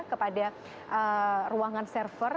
kepada ruangan server